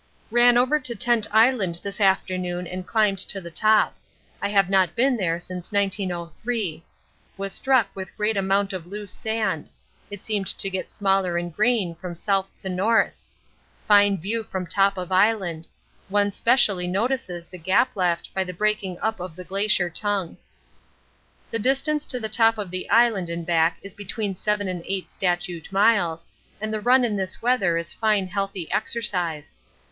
Ran over to Tent Island this afternoon and climbed to the top I have not been there since 1903. Was struck with great amount of loose sand; it seemed to get smaller in grain from S. to N. Fine view from top of island: one specially notices the gap left by the breaking up of the Glacier Tongue. The distance to the top of the island and back is between 7 and 8 statute miles, and the run in this weather is fine healthy exercise.